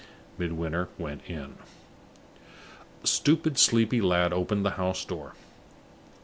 Midwinter went in. A stupid, sleepy lad opened the house door.